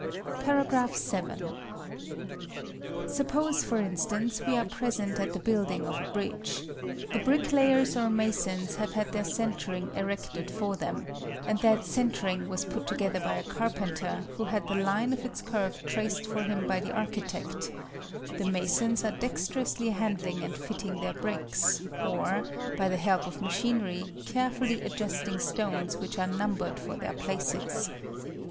§ VII. Suppose, for instance, we are present at the building of a bridge: the bricklayers or masons have had their centring erected for them, and that centring was put together by a carpenter, who had the line of its curve traced for him by the architect: the masons are dexterously handling and fitting their bricks, or, by the help of machinery, carefully adjusting stones which are numbered for their places.